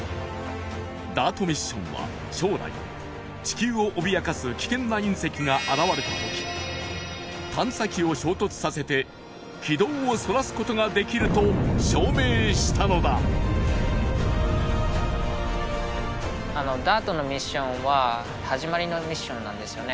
ＤＡＲＴミッションは将来地球を脅かす危険な隕石が現れた時探査機を衝突させて軌道をそらすことができると証明したのだＤＡＲＴのミッションは始まりのミッションなんですよね